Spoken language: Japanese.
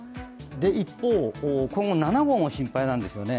一方今後、７号も心配なんですよね。